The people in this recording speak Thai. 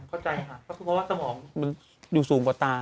เข้าใจค่ะเพราะสมองมันอยู่สูงกว่าตา